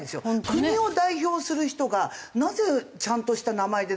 国を代表する人がなぜちゃんとした名前で出ないのか。